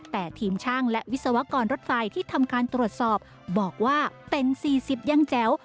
แต่ทีมช่างและวิศวกรรถไฟที่ทำการตรวจสอบบอกว่าเป็น๔๐ยังแจ๋ว